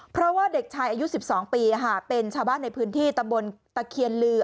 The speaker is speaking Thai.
เพราะว่าเด็กชายอายุ๑๒ปีเป็นชาวบ้านในพื้นที่ตำบลตะเคียนลือ